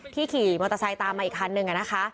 ที่ขี่มอเตอร์ไซค์ตามมาอีกครั้งหนึ่งนะคะ